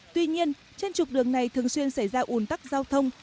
tuy nhiên trên trục đường này thường xuyên xảy ra ủn tắc giao thông